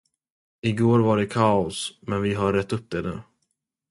Igår var det kaos, men vi har rett upp det nu.